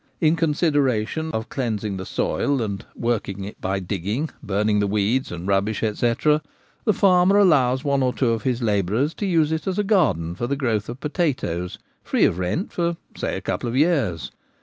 In consideration of cleansing the soil, and working it by digging, burning the weeds and rubbish, &c, the farmer allows one or two of his labourers to use it as a garden for the growth of potatoes, free of rent, for say a couple of years.